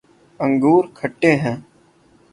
انگور کھٹے ہیں